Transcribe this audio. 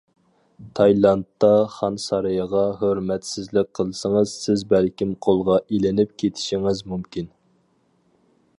تايلاندتا خان سارىيىغا ھۆرمەتسىزلىك قىلسىڭىز، سىز بەلكىم قولغا ئېلىنىپ كېتىشىڭىز مۇمكىن.